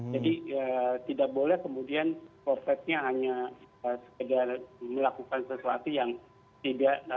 jadi tidak boleh kemudian prosesnya hanya sekedar melakukan sesuatu yang tidak